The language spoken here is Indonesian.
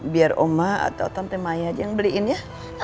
biar oma atau tante maya aja yang beliin ya